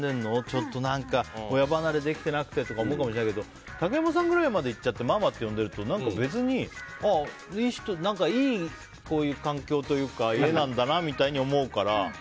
ちょっと何か親離れできてなくてって思うかもしれないけど竹山さんぐらいまでいっちゃってママって呼んでると何か別に、いい環境というか家なんだなみたいに思うから。